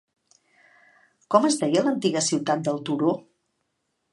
Com es deia l'antiga ciutat del turó?